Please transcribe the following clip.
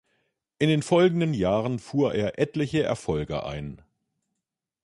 In den folgenden Jahren fuhr er etliche Erfolge ein.